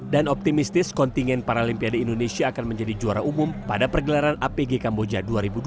optimistis kontingen paralimpiade indonesia akan menjadi juara umum pada pergelaran apg kamboja dua ribu dua puluh